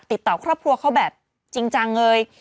ติดต่อครอบครัวเขาแบบจริงจังเลย